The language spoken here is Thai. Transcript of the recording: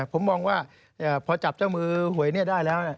ผมมองว่าพอจับเจ้ามือหวยนี้ได้แล้ว